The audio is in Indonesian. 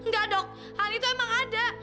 enggak dok hal itu emang ada